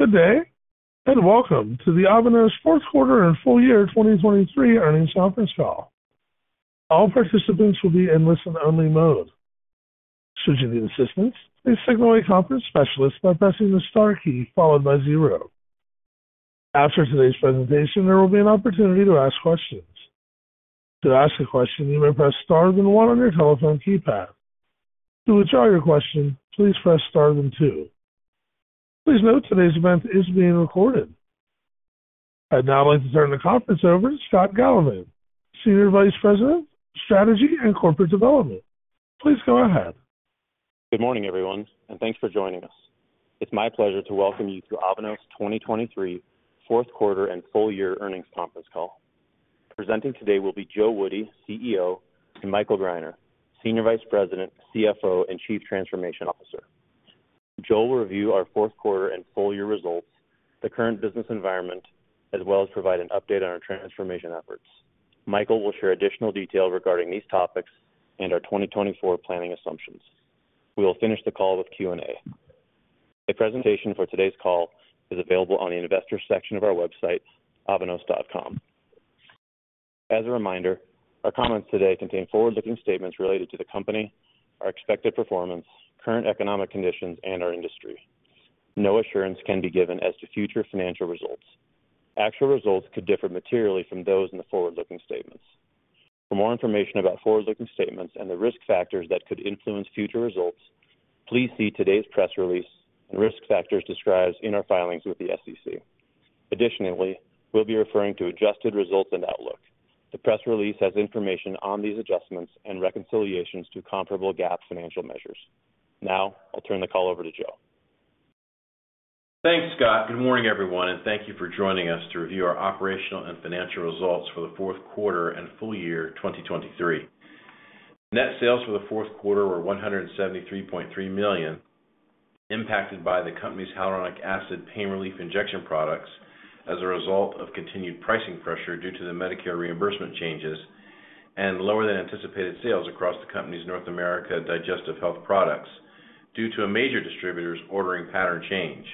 Good day, and welcome to the Avanos fourth quarter and full year 2023 earnings conference call. All participants will be in listen-only mode. Should you need assistance, please signal a conference specialist by pressing the star key followed by zero. After today's presentation, there will be an opportunity to ask questions. To ask a question, you may press star then one on your telephone keypad. To withdraw your question, please press star then two. Please note, today's event is being recorded. I'd now like to turn the conference over to Scott Galloway, Senior Vice President, Strategy and Corporate Development. Please go ahead. Good morning, everyone, and thanks for joining us. It's my pleasure to welcome you to Avanos 2023 fourth quarter and full year earnings conference call. Presenting today will be Joe Woody, CEO, and Michael Greiner, Senior Vice President, CFO, and Chief Transformation Officer. Joe will review our fourth quarter and full year results, the current business environment, as well as provide an update on our transformation efforts. Michael will share additional detail regarding these topics and our 2024 planning assumptions. We will finish the call with Q&A. A presentation for today's call is available on the investor section of our website, avanos.com. As a reminder, our comments today contain forward-looking statements related to the company, our expected performance, current economic conditions, and our industry. No assurance can be given as to future financial results. Actual results could differ materially from those in the forward-looking statements. For more information about forward-looking statements and the risk factors that could influence future results, please see today's press release and risk factors described in our filings with the SEC. Additionally, we'll be referring to adjusted results and outlook. The press release has information on these adjustments and reconciliations to comparable GAAP financial measures. Now, I'll turn the call over to Joe. Thanks, Scott. Good morning, everyone, and thank you for joining us to review our operational and financial results for the fourth quarter and full year 2023. Net sales for the fourth quarter were $173.3 million, impacted by the company's hyaluronic acid pain relief injection products as a result of continued pricing pressure due to the Medicare reimbursement changes and lower than anticipated sales across the company's North America Digestive Health products due to a major distributor's ordering pattern change.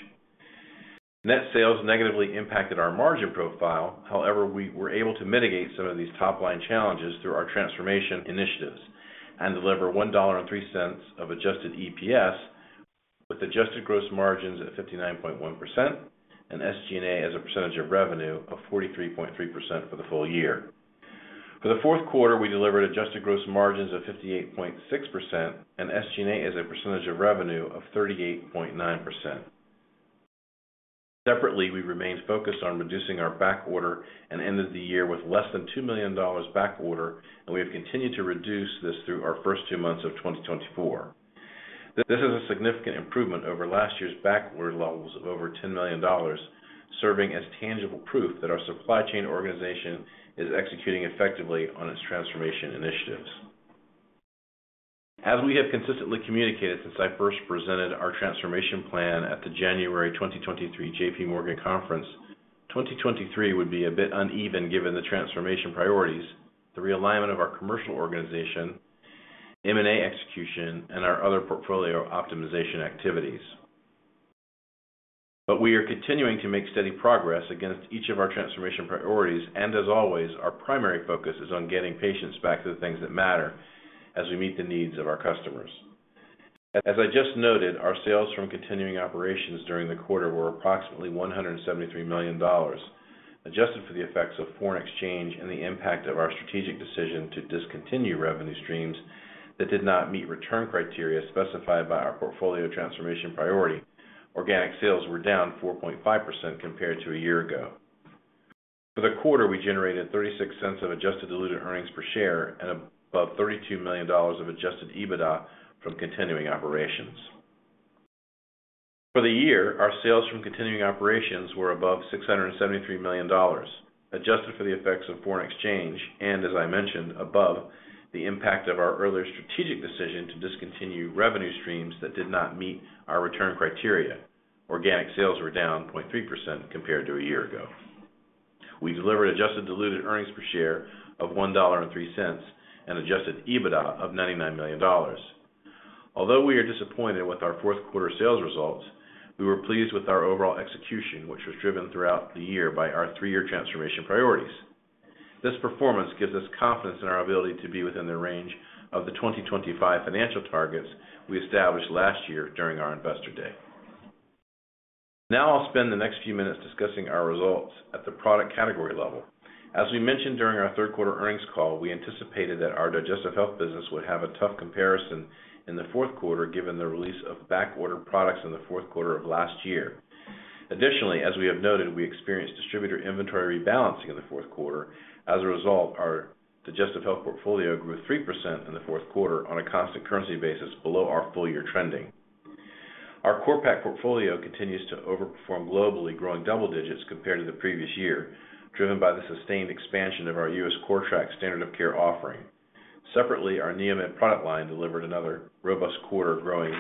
Net sales negatively impacted our margin profile. However, we were able to mitigate some of these top-line challenges through our transformation initiatives and deliver $1.03 of adjusted EPS, with adjusted gross margins at 59.1% and SG&A as a percentage of revenue of 43.3% for the full year. For the fourth quarter, we delivered adjusted gross margins of 58.6% and SG&A as a percentage of revenue of 38.9%. Separately, we remained focused on reducing our backorder and ended the year with less than $2 million backorder, and we have continued to reduce this through our first two months of 2024. This is a significant improvement over last year's backorder levels of over $10 million, serving as tangible proof that our supply chain organization is executing effectively on its transformation initiatives. As we have consistently communicated since I first presented our transformation plan at the January 2023 J.P. Morgan conference, 2023 would be a bit uneven given the transformation priorities, the realignment of our commercial organization, M&A execution, and our other portfolio optimization activities. But we are continuing to make steady progress against each of our transformation priorities, and as always, our primary focus is on getting patients back to the things that matter as we meet the needs of our customers. As I just noted, our sales from continuing operations during the quarter were approximately $173 million, adjusted for the effects of foreign exchange and the impact of our strategic decision to discontinue revenue streams that did not meet return criteria specified by our portfolio transformation priority. Organic sales were down 4.5% compared to a year ago. For the quarter, we generated $0.36 of Adjusted Diluted Earnings Per Share and above $32 million of Adjusted EBITDA from continuing operations. For the year, our sales from continuing operations were above $673 million, adjusted for the effects of foreign exchange, and as I mentioned above, the impact of our earlier strategic decision to discontinue revenue streams that did not meet our return criteria. Organic sales were down 0.3% compared to a year ago. We delivered adjusted diluted earnings per share of $1.03 and adjusted EBITDA of $99 million. Although we are disappointed with our fourth quarter sales results, we were pleased with our overall execution, which was driven throughout the year by our three-year transformation priorities. This performance gives us confidence in our ability to be within the range of the 2025 financial targets we established last year during our Investor Day. Now, I'll spend the next few minutes discussing our results at the product category level. As we mentioned during our third quarter earnings call, we anticipated that our digestive health business would have a tough comparison in the fourth quarter, given the release of backordered products in the fourth quarter of last year. Additionally, as we have noted, we experienced distributor inventory rebalancing in the fourth quarter. As a result, our digestive health portfolio grew 3% in the fourth quarter on a constant currency basis below our full-year trending. Our CORPAK portfolio continues to overperform globally, growing double digits compared to the previous year, driven by the sustained expansion of our U.S. CORPAK standard of care offering. Separately, our NeoMed product line delivered another robust quarter, growing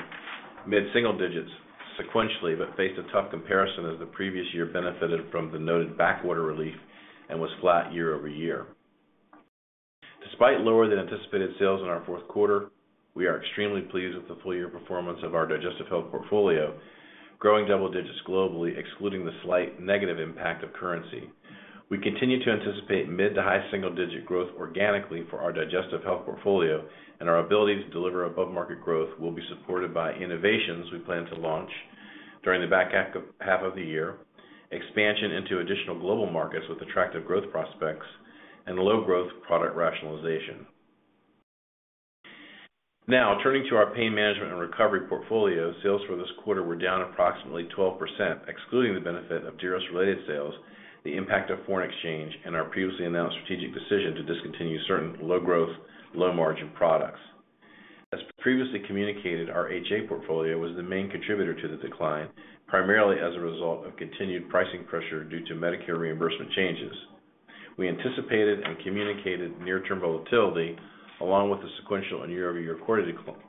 mid-single digits sequentially, but faced a tough comparison as the previous year benefited from the noted backorder relief and was flat year over year. Despite lower than anticipated sales in our fourth quarter, we are extremely pleased with the full year performance of our Digestive Health portfolio, growing double digits globally, excluding the slight negative impact of currency. We continue to anticipate mid- to high single-digit growth organically for our Digestive Health portfolio, and our ability to deliver above-market growth will be supported by innovations we plan to launch during the back half of the year, expansion into additional global markets with attractive growth prospects, and low-growth product rationalization. Now, turning to our Pain Management and Recovery portfolio. Sales for this quarter were down approximately 12%, excluding the benefit of Diros-related sales, the impact of foreign exchange, and our previously announced strategic decision to discontinue certain low-growth, low-margin products. As previously communicated, our HA portfolio was the main contributor to the decline, primarily as a result of continued pricing pressure due to Medicare reimbursement changes. We anticipated and communicated near-term volatility, along with the sequential and year-over-year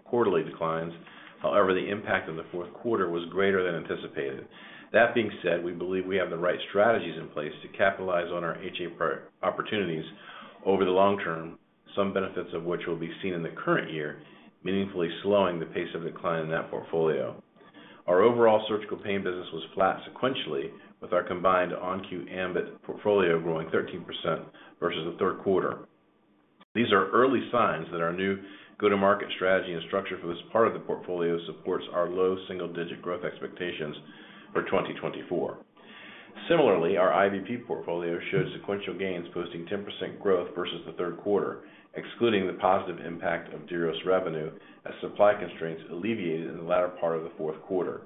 quarterly declines. However, the impact in the fourth quarter was greater than anticipated. That being said, we believe we have the right strategies in place to capitalize on our HA opportunities over the long term, some benefits of which will be seen in the current year, meaningfully slowing the pace of decline in that portfolio. Our overall surgical pain business was flat sequentially, with our combined ON-Q ambIT portfolio growing 13% versus the third quarter. These are early signs that our new go-to-market strategy and structure for this part of the portfolio supports our low single-digit growth expectations for 2024. Similarly, our IVP portfolio showed sequential gains, posting 10% growth versus the third quarter, excluding the positive impact of Diros revenue, as supply constraints alleviated in the latter part of the fourth quarter.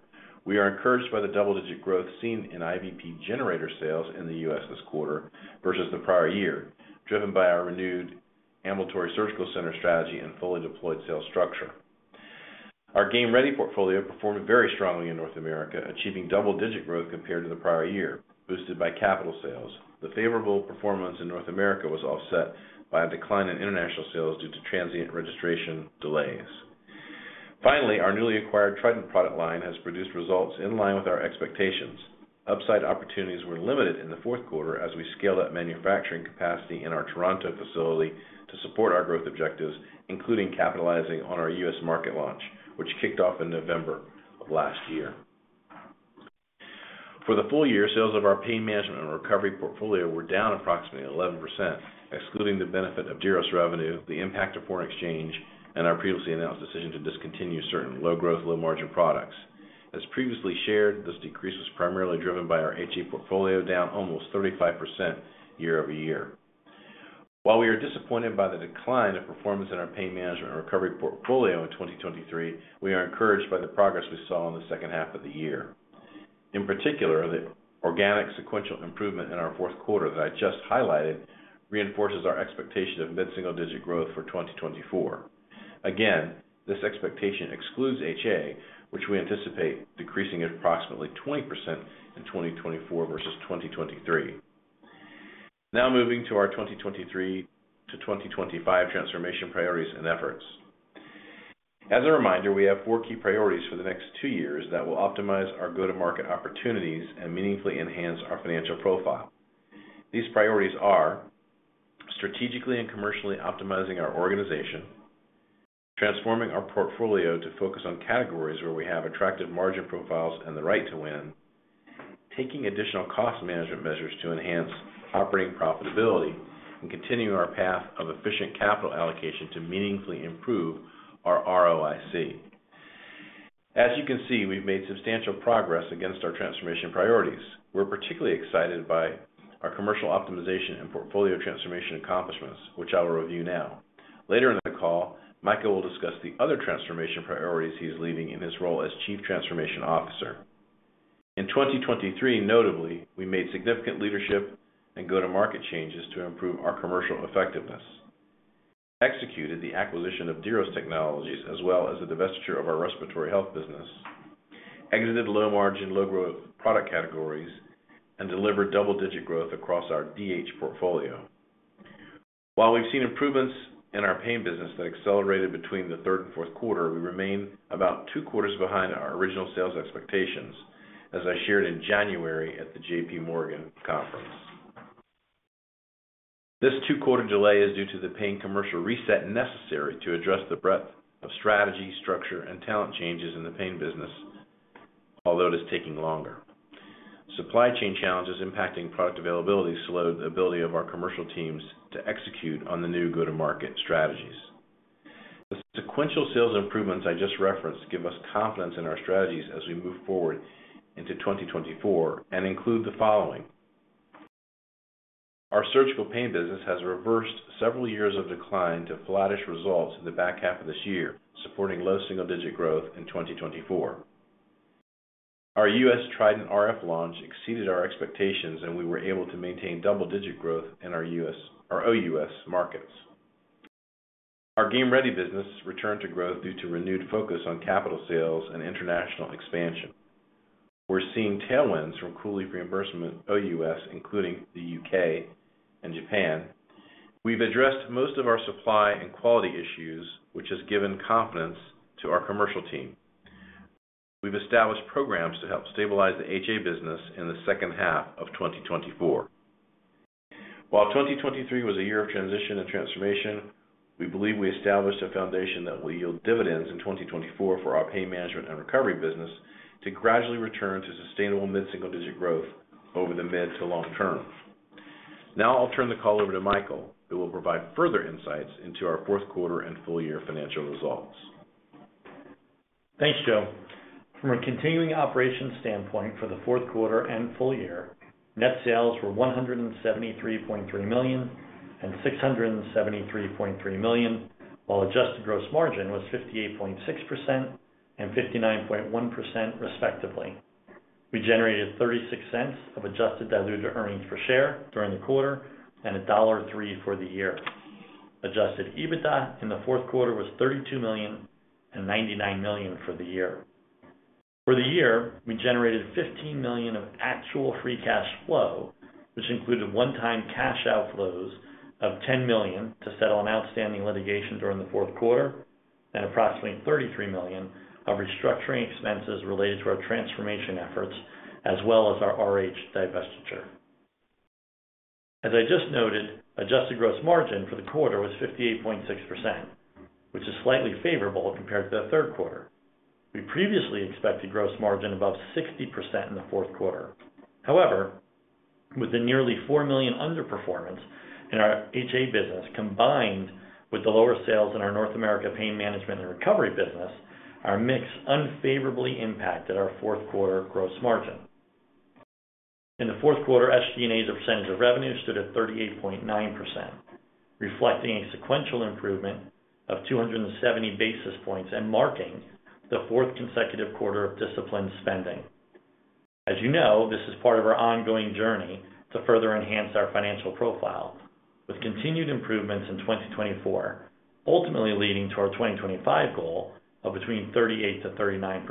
We are encouraged by the double-digit growth seen in IVP generator sales in the U.S. this quarter versus the prior year, driven by our renewed ambulatory surgical center strategy and fully deployed sales structure. Our Game Ready portfolio performed very strongly in North America, achieving double-digit growth compared to the prior year, boosted by capital sales. The favorable performance in North America was offset by a decline in international sales due to transient registration delays. Finally, our newly acquired Trident product line has produced results in line with our expectations. Upside opportunities were limited in the fourth quarter as we scaled up manufacturing capacity in our Toronto facility to support our growth objectives, including capitalizing on our U.S. market launch, which kicked off in November of last year. For the full year, sales of our Pain Management and Recovery portfolio were down approximately 11%, excluding the benefit of Diros revenue, the impact of foreign exchange, and our previously announced decision to discontinue certain low-growth, low-margin products. As previously shared, this decrease was primarily driven by our HA portfolio, down almost 35% year-over-year. While we are disappointed by the decline of performance in our Pain Management and Recovery portfolio in 2023, we are encouraged by the progress we saw in the second half of the year. In particular, the organic sequential improvement in our fourth quarter that I just highlighted reinforces our expectation of mid-single-digit growth for 2024. Again, this expectation excludes HA, which we anticipate decreasing at approximately 20% in 2024 versus 2023. Now moving to our 2023 to 2025 transformation priorities and efforts. As a reminder, we have four key priorities for the next two years that will optimize our go-to-market opportunities and meaningfully enhance our financial profile. These priorities are: strategically and commercially optimizing our organization, transforming our portfolio to focus on categories where we have attractive margin profiles and the right to win, taking additional cost management measures to enhance operating profitability, and continuing our path of efficient capital allocation to meaningfully improve our ROIC. As you can see, we've made substantial progress against our transformation priorities. We're particularly excited by our commercial optimization and portfolio transformation accomplishments, which I will review now. Later in the call, Michael will discuss the other transformation priorities he's leading in his role as Chief Transformation Officer. In 2023, notably, we made significant leadership and go-to-market changes to improve our commercial effectiveness, executed the acquisition of Diros Technology, as well as the divestiture of our respiratory health business, exited low-margin, low-growth product categories, and delivered double-digit growth across our DH portfolio. While we've seen improvements in our pain business that accelerated between the third and fourth quarter, we remain about two quarters behind our original sales expectations, as I shared in January at the J.P. Morgan conference. This two-quarter delay is due to the pain commercial reset necessary to address the breadth of strategy, structure, and talent changes in the pain business, although it is taking longer. Supply chain challenges impacting product availability slowed the ability of our commercial teams to execute on the new go-to-market strategies. The sequential sales improvements I just referenced give us confidence in our strategies as we move forward into 2024 and include the following: Our surgical pain business has reversed several years of decline to flattish results in the back half of this year, supporting low single-digit growth in 2024. Our U.S. Trident RF launch exceeded our expectations, and we were able to maintain double-digit growth in our U.S. or OUS markets. Our Game Ready business returned to growth due to renewed focus on capital sales and international expansion. We're seeing tailwinds from cooling reimbursement OUS, including the U.K. and Japan. We've addressed most of our supply and quality issues, which has given confidence to our commercial team. We've established programs to help stabilize the HA business in the second half of 2024. While 2023 was a year of transition and transformation, we believe we established a foundation that will yield dividends in 2024 for our pain management and recovery business to gradually return to sustainable mid-single-digit growth over the mid- to long-term. Now I'll turn the call over to Michael, who will provide further insights into our fourth quarter and full year financial results. Thanks, Joe. From a continuing operations standpoint for the fourth quarter and full year, net sales were $173.3 million and $673.3 million, while adjusted gross margin was 58.6% and 59.1%, respectively. We generated $0.36 of adjusted diluted earnings per share during the quarter and $1.03 for the year. Adjusted EBITDA in the fourth quarter was $32 million and $99 million for the year. For the year, we generated $15 million of actual free cash flow, which included one-time cash outflows of $10 million to settle an outstanding litigation during the fourth quarter and approximately $33 million of restructuring expenses related to our transformation efforts, as well as our RH divestiture. As I just noted, adjusted gross margin for the quarter was 58.6%, which is slightly favorable compared to the third quarter. We previously expected gross margin above 60% in the fourth quarter. However, with the nearly $4 million underperformance in our HA business, combined with the lower sales in our North America Pain Management and Recovery business, our mix unfavorably impacted our fourth quarter gross margin. In the fourth quarter, SG&A as a percentage of revenue stood at 38.9%, reflecting a sequential improvement of 270 basis points and marking the fourth consecutive quarter of disciplined spending. As you know, this is part of our ongoing journey to further enhance our financial profile, with continued improvements in 2024, ultimately leading to our 2025 goal of between 38% to 39%.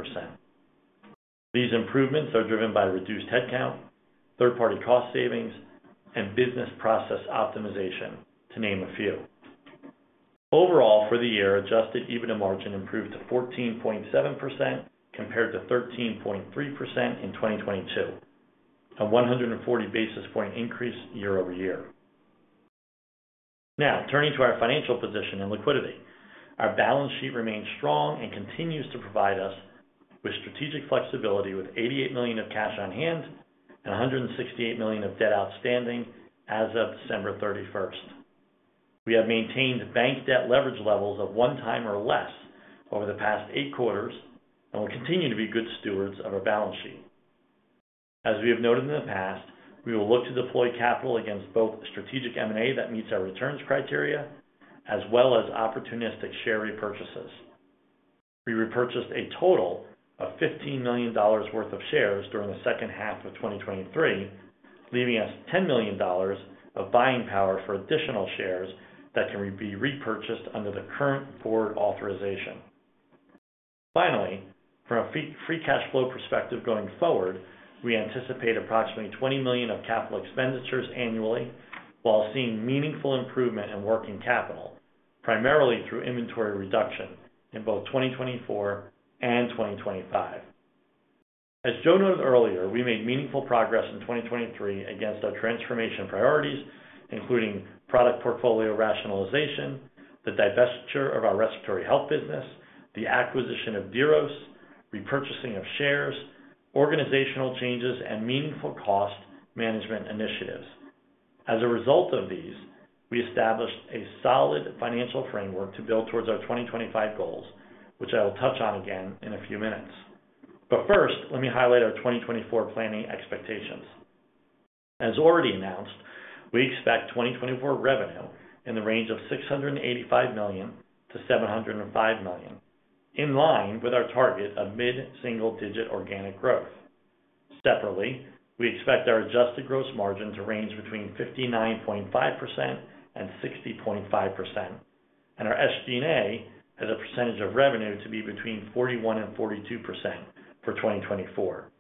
These improvements are driven by reduced headcount, third-party cost savings, and business process optimization, to name a few. Overall, for the year, adjusted EBITDA margin improved to 14.7% compared to 13.3% in 2022, a 140 basis point increase year-over-year. Now, turning to our financial position and liquidity. Our balance sheet remains strong and continues to provide us with strategic flexibility, with $88 million of cash on hand and $168 million of debt outstanding as of December 31st. We have maintained bank debt leverage levels of 1x or less over the past eight quarters and will continue to be good stewards of our balance sheet. As we have noted in the past, we will look to deploy capital against both strategic M&A that meets our returns criteria, as well as opportunistic share repurchases. We repurchased a total of $15 million worth of shares during the second half of 2023, leaving us $10 million of buying power for additional shares that can be repurchased under the current Board authorization. Finally, from a free cash flow perspective going forward, we anticipate approximately $20 million of capital expenditures annually while seeing meaningful improvement in working capital, primarily through inventory reduction in both 2024 and 2025. As Joe noted earlier, we made meaningful progress in 2023 against our transformation priorities, including product portfolio rationalization, the divestiture of our respiratory health business, the acquisition of Diros, repurchasing of shares, organizational changes, and meaningful cost management initiatives. As a result of these, we established a solid financial framework to build towards our 2025 goals, which I will touch on again in a few minutes. But first, let me highlight our 2024 planning expectations. As already announced, we expect 2024 revenue in the range of $685 million to $705 million, in line with our target of mid-single digit organic growth. Separately, we expect our adjusted gross margin to range between 59.5% and 60.5%, and our SG&A as a percentage of revenue to be between 41% and 42% for 2024.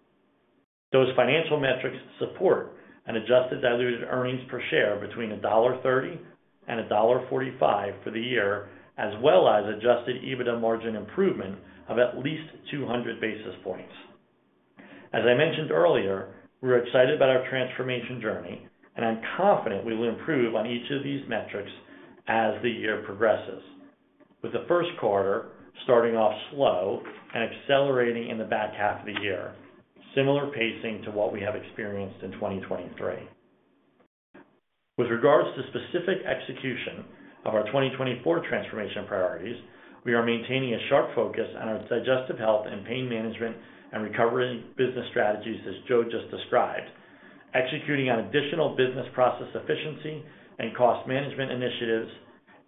Those financial metrics support an adjusted diluted earnings per share between $1.30 and $1.45 for the year, as well as adjusted EBITDA margin improvement of at least 200 basis points. As I mentioned earlier, we're excited about our transformation journey, and I'm confident we will improve on each of these metrics as the year progresses, with the first quarter starting off slow and accelerating in the back half of the year, similar pacing to what we have experienced in 2023. With regards to specific execution of our 2024 transformation priorities, we are maintaining a sharp focus on our digestive health and pain management and recovery business strategies, as Joe just described, executing on additional business process efficiency and cost management initiatives,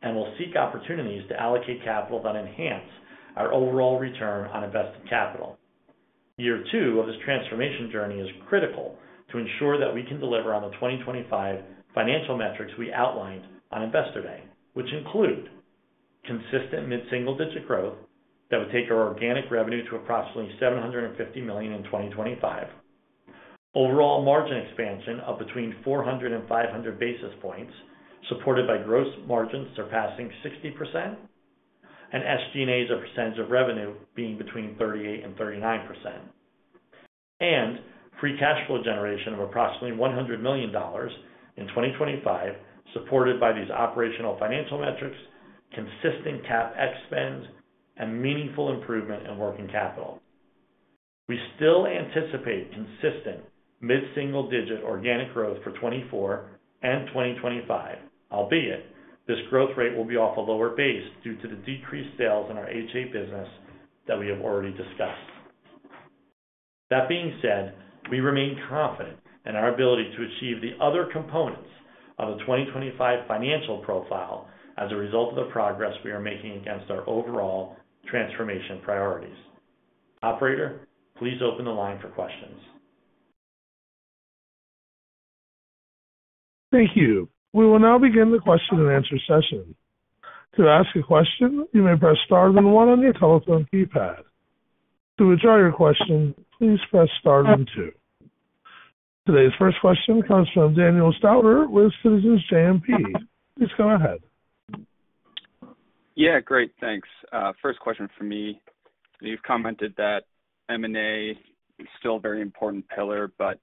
and will seek opportunities to allocate capital that enhance our overall return on invested capital. Year two of this transformation journey is critical to ensure that we can deliver on the 2025 financial metrics we outlined on Investor Day, which include consistent mid-single-digit growth that would take our organic revenue to approximately $750 million in 2025.... overall margin expansion of between 400 and 500 basis points, supported by gross margins surpassing 60% and SG&A as a percentage of revenue being between 38% and 39%. Free cash flow generation of approximately $100 million in 2025, supported by these operational financial metrics, consistent CapEx spend, and meaningful improvement in working capital. We still anticipate consistent mid-single-digit organic growth for 2024 and 2025, albeit this growth rate will be off a lower base due to the decreased sales in our HA business that we have already discussed. That being said, we remain confident in our ability to achieve the other components of the 2025 financial profile as a result of the progress we are making against our overall transformation priorities. Operator, please open the line for questions. Thank you. We will now begin the question and answer session. To ask a question, you may press star one on your telephone keypad. To withdraw your question, please press star two. Today's first question comes from Daniel Stauber with Citizens JMP. Please go ahead. Yeah, great, thanks. First question for me. You've commented that M&A is still a very important pillar, but,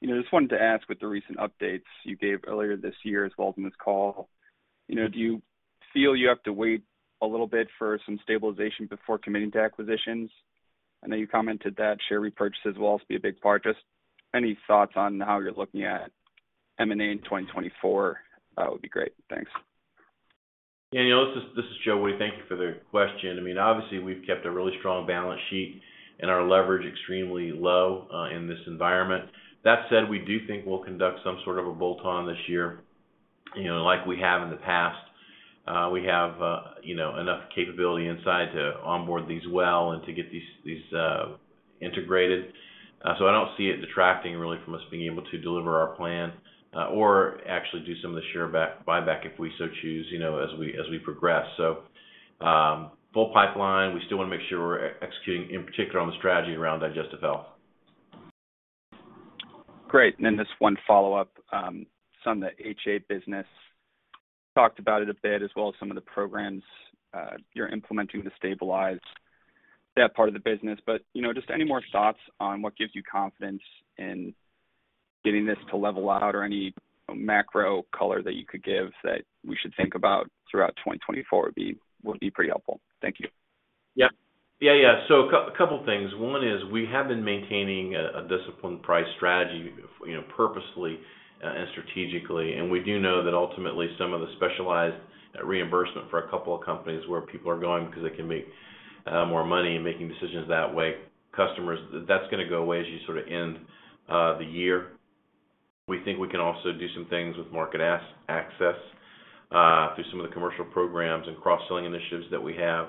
you know, just wanted to ask with the recent updates you gave earlier this year as well as in this call, you know, do you feel you have to wait a little bit for some stabilization before committing to acquisitions? I know you commented that share repurchase as well will be a big part. Just any thoughts on how you're looking at M&A in 2024, would be great. Thanks. Daniel, this is Joe Woody. Thank you for the question. I mean, obviously, we've kept a really strong balance sheet and our leverage extremely low in this environment. That said, we do think we'll conduct some sort of a bolt-on this year, you know, like we have in the past. We have, you know, enough capability inside to onboard these well and to get these integrated. So, I don't see it detracting really from us being able to deliver our plan or actually do some of the share buyback, if we so choose, you know, as we progress. So, full pipeline, we still wanna make sure we're executing, in particular, on the strategy around digestive health. Great. And then just one follow-up, some of the HA business. Talked about it a bit, as well as some of the programs you're implementing to stabilize that part of the business. But, you know, just any more thoughts on what gives you confidence in getting this to level out or any macro color that you could give that we should think about throughout 2024 would be, would be pretty helpful. Thank you. Yeah. Yeah, yeah. So a couple of things. One is we have been maintaining a disciplined price strategy, you know, purposefully, and strategically. And we do know that ultimately some of the specialized reimbursement for a couple of companies where people are going because they can make more money and making decisions that way, customers, that's gonna go away as you sort of end the year. We think we can also do some things with market access through some of the commercial programs and cross-selling initiatives that we have,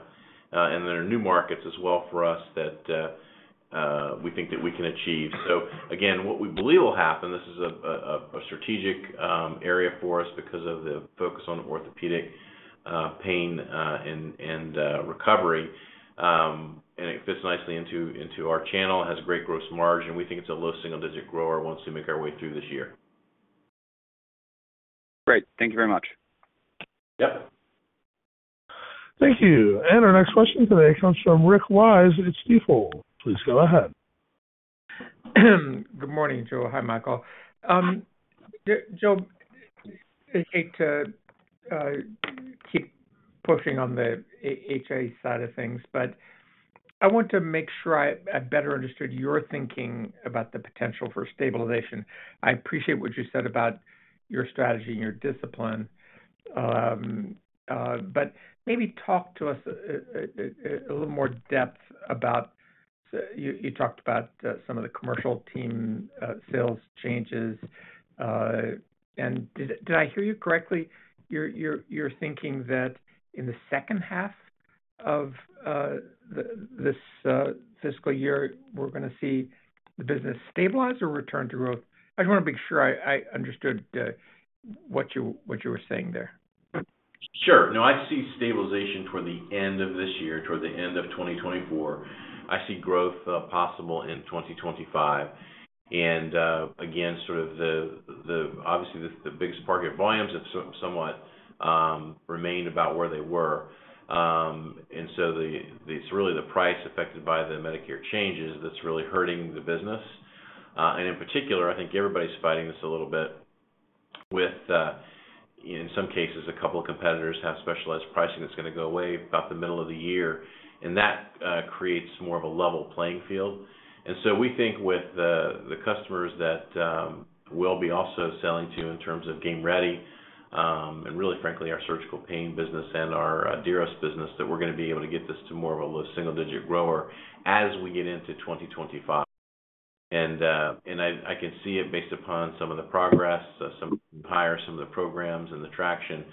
and there are new markets as well for us that we think that we can achieve. So again, what we believe will happen, this is a strategic area for us because of the focus on orthopedic pain and recovery. And it fits nicely into our channel, has great gross margin. We think it's a low single digit grower once we make our way through this year. Great. Thank you very much. Yep. Thank you. Our next question today comes from Rick Wise at Stifel. Please go ahead. Good morning, Joe. Hi, Michael. Joe, I'd hate to keep pushing on the HA side of things, but I want to make sure I better understood your thinking about the potential for stabilization. I appreciate what you said about your strategy and your discipline. But maybe talk to us a little more depth about... You talked about some of the commercial team sales changes. And did I hear you correctly? You're thinking that in the second half of this fiscal year, we're gonna see the business stabilize or return to growth? I just wanna make sure I understood what you were saying there. Sure. No, I see stabilization toward the end of this year, toward the end of 2024. I see growth possible in 2025. And again, sort of the obviously the biggest part, net volumes have somewhat remained about where they were. And so it's really the price affected by the Medicare changes that's really hurting the business. And in particular, I think everybody's fighting this a little bit with, in some cases, a couple of competitors have specialized pricing that's gonna go away about the middle of the year, and that creates more of a level playing field. So we think with the customers that we'll be also selling to in terms of Game Ready, and really frankly, our surgical pain business and our Diros business, that we're gonna be able to get this to more of a low single digit grower as we get into 2025. And I can see it based upon some of the progress, some higher, some of the programs and the traction.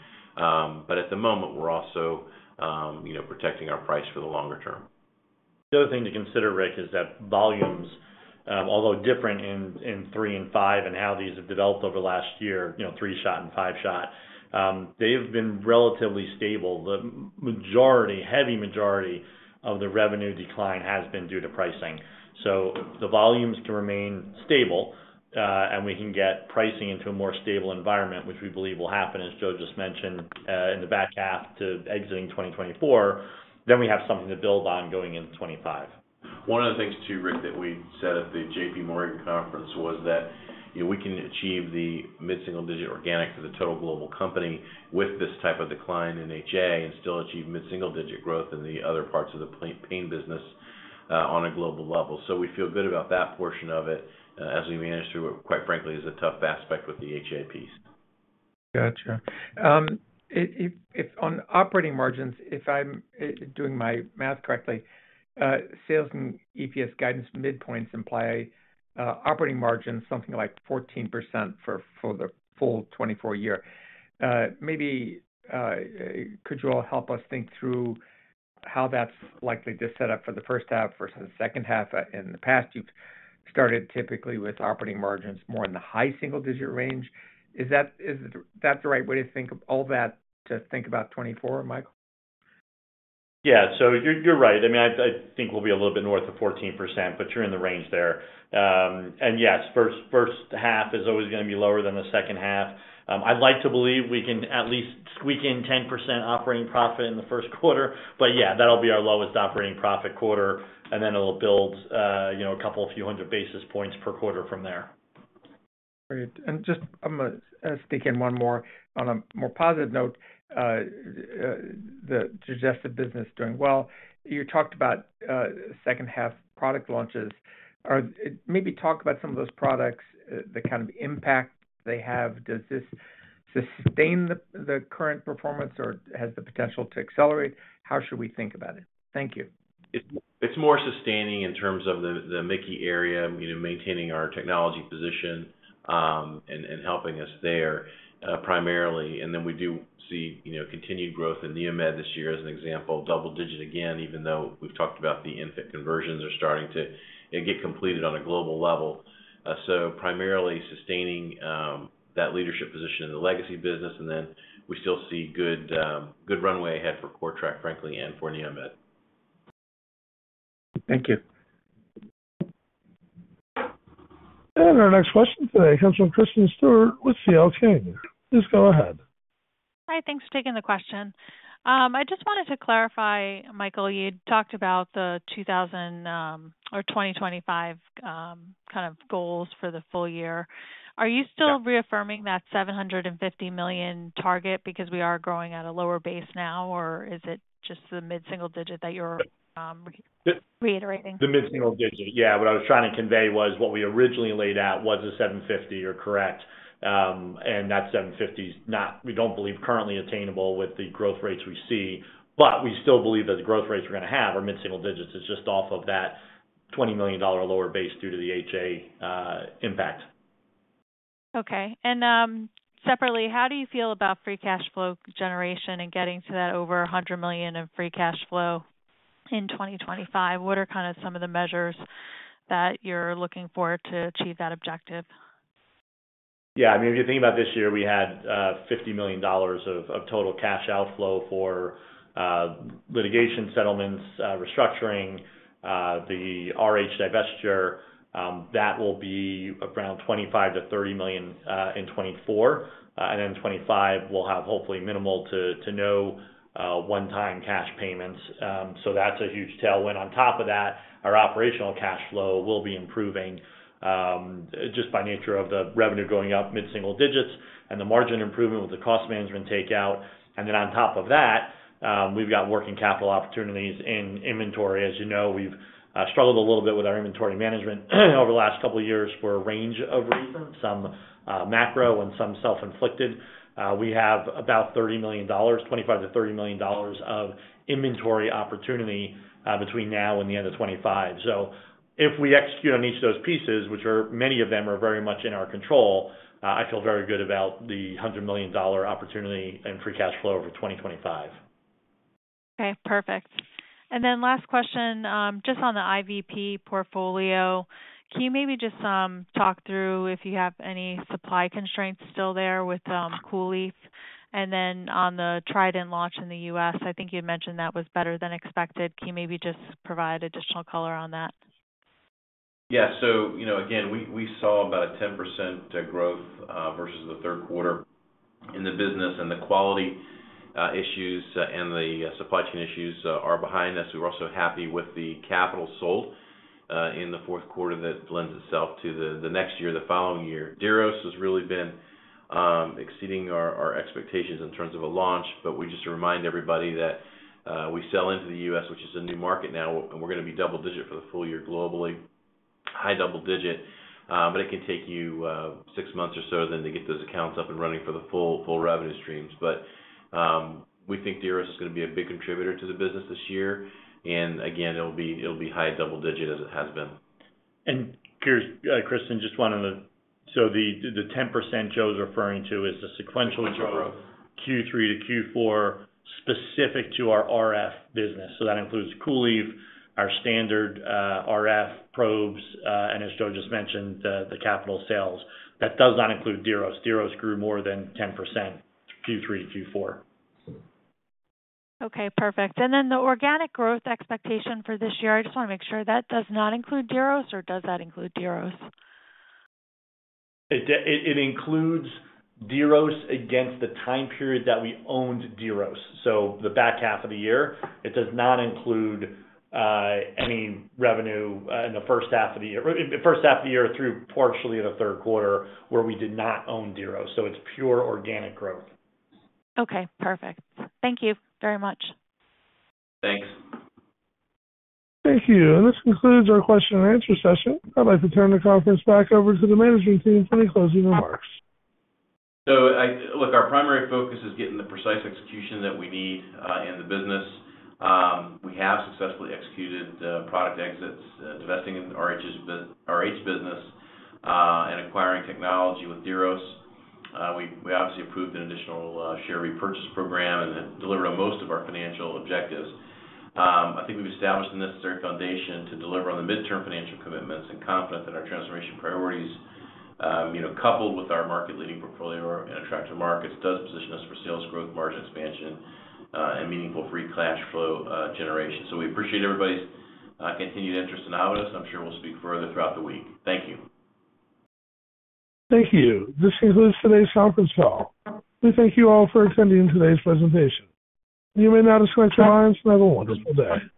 But at the moment, we're also, you know, protecting our price for the longer term.... The other thing to consider, Rick, is that volumes, although different in three and five, and how these have developed over the last year, you know, three-shot and five-shot, they've been relatively stable. The majority, heavy majority of the revenue decline has been due to pricing. So the volumes can remain stable, and we can get pricing into a more stable environment, which we believe will happen, as Joe just mentioned, in the back half to exiting 2024, then we have something to build on going into 2025. One of the things, too, Rick, that we said at the J.P. Morgan conference was that, you know, we can achieve the mid-single-digit organic for the total global company with this type of decline in HA and still achieve mid-single-digit growth in the other parts of the pain business on a global level. So we feel good about that portion of it, as we manage through what, quite frankly, is a tough aspect with the HA piece. Gotcha. If, if on operating margins, if I'm doing my math correctly, sales and EPS guidance midpoints imply operating margins something like 14% for the full 2024 year. Maybe could you all help us think through how that's likely to set up for the first half versus the second half? In the past, you've started typically with operating margins more in the high single-digit range. Is that the right way to think of all that, to think about 2024, Michael? Yeah. So you're right. I mean, I think we'll be a little bit north of 14%, but you're in the range there. And yes, first half is always gonna be lower than the second half. I'd like to believe we can at least squeak in 10% operating profit in the first quarter. But yeah, that'll be our lowest operating profit quarter, and then it'll build, you know, a couple of few hundred basis points per quarter from there. Great. And just I'm gonna ask again, one more, on a more positive note, the digestive business doing well. You talked about second half product launches. Are, maybe talk about some of those products, the kind of impact they have. Does this sustain the current performance or has the potential to accelerate? How should we think about it? Thank you. It's more sustaining in terms of the MIC-KEY area, you know, maintaining our technology position and helping us there, primarily. And then we do see, you know, continued growth in NeoMed this year as an example, double-digit again, even though we've talked about the infant conversions are starting to get completed on a global level. So primarily sustaining that leadership position in the legacy business, and then we still see good runway ahead for CORTRAK, frankly, and for NeoMed. Thank you. Our next question today comes from Kristen Stewart with CL King. Please go ahead. Hi, thanks for taking the question. I just wanted to clarify, Michael, you talked about the 2000 or 2025 kind of goals for the full year. Yeah. Are you still reaffirming that $750 million target because we are growing at a lower base now, or is it just the mid-single digit that you're reiterating? The mid-single digit. Yeah. What I was trying to convey was what we originally laid out was a $750, you're correct. And that $750 is not. We don't believe currently attainable with the growth rates we see, but we still believe that the growth rates we're going to have are mid-single digits. It's just off of that $20 million lower base due to the HA impact. Okay. And, separately, how do you feel about free cash flow generation and getting to that over $100 million of free cash flow in 2025? What are kind of some of the measures that you're looking for to achieve that objective? Yeah, I mean, if you think about this year, we had $50 million of total cash outflow for litigation settlements, restructuring, the RH divestiture. That will be around $25 million to $30 million in 2024. And in 2025, we'll have hopefully minimal to no one-time cash payments. So that's a huge tailwind. On top of that, our operational cash flow will be improving just by nature of the revenue growing up mid-single digits and the margin improvement with the cost management takeout. And then on top of that, we've got working capital opportunities in inventory. As you know, we've struggled a little bit with our inventory management over the last couple of years for a range of reasons, some macro and some self-inflicted. We have about $30 million, $25 million to $30 million of inventory opportunity, between now and the end of 2025. So if we execute on each of those pieces, which are, many of them are very much in our control, I feel very good about the $100 million opportunity and free cash flow over 2025. Okay, perfect. And then last question, just on the IVP portfolio. Can you maybe just talk through if you have any supply constraints still there with COOLIEF? And then on the TRIDENT launch in the U.S., I think you had mentioned that was better than expected. Can you maybe just provide additional color on that? Yeah. So, you know, again, we saw about a 10% growth versus the third quarter in the business, and the quality issues and the supply chain issues are behind us. We're also happy with the capital sold in the fourth quarter. That lends itself to the next year, the following year. Diros has really been exceeding our expectations in terms of a launch, but we just remind everybody that we sell into the U.S., which is a new market now, and we're going to be double-digit for the full year globally, high double-digit. But it can take you six months or so then to get those accounts up and running for the full revenue streams. We think Diros is going to be a big contributor to the business this year, and again, it'll be, it'll be high double-digit as it has been. And here's Kristin, just wanted to... So the 10% Joe's referring to is the sequential- Sequential growth. Q3 to Q4, specific to our RF business. So that includes COOLIEF, our standard RF probes, and as Joe just mentioned, the capital sales. That does not include Diros. Diros grew more than 10%, Q3 to Q4. Okay, perfect. And then the organic growth expectation for this year, I just want to make sure that does not include Diros or does that include Diros? It includes Diros against the time period that we owned Diros, so the back half of the year. It does not include any revenue in the first half of the year. The first half of the year through partially the third quarter, where we did not own Diros. So it's pure organic growth. Okay, perfect. Thank you very much. Thanks. Thank you. This concludes our question and answer session. I'd like to turn the conference back over to the management team for any closing remarks. So, look, our primary focus is getting the precise execution that we need in the business. We have successfully executed product exits, divesting the RH business, and acquiring technology with Diros. We obviously approved an additional share repurchase program and delivered on most of our financial objectives. I think we've established the necessary foundation to deliver on the midterm financial commitments and confident that our transformation priorities, you know, coupled with our market-leading portfolio and attractive markets, does position us for sales growth, margin expansion, and meaningful free cash flow generation. So we appreciate everybody's continued interest in Avanos. I'm sure we'll speak further throughout the week. Thank you. Thank you. This concludes today's conference call. We thank you all for attending today's presentation. You may now disconnect your lines and have a wonderful day.